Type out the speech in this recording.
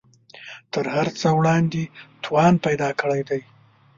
تر هر څه وړاندې توان پیدا کړی دی